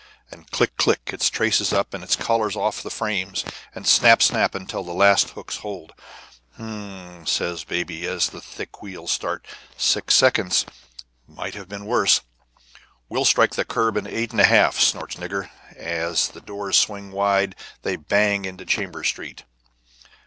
And click, click, its traces up and collars off the frames, and snap, snap, until the last hook holds. "H'm," says Baby, as the thick wheels start, "six seconds; might have been worse." "We'll strike the curb in eight and a half!" snorts Nigger, as the doors swing wide and they bang into Chambers Street.